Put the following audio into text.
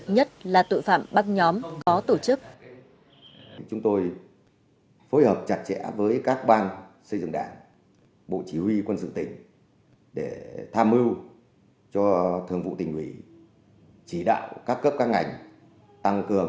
nhất là tội phạm bắt nhóm có tổ chức